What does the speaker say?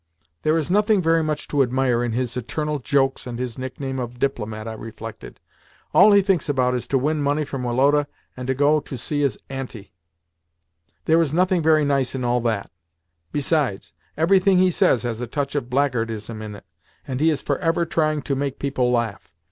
"There is nothing very much to admire in his eternal jokes and his nickname of 'DIPLOMAT,'" I reflected. "All he thinks about is to win money from Woloda and to go and see his 'Auntie.' There is nothing very nice in all that. Besides, everything he says has a touch of blackguardism in it, and he is forever trying to make people laugh.